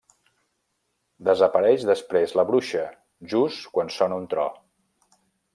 Desapareix després la bruixa, just quan sona un tro.